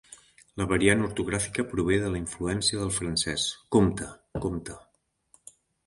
La variant ortogràfica prové de la influència del francès "compte" ("compte").